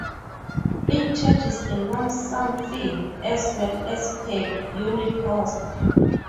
It charges a lump sum fee, as well as a per unit cost.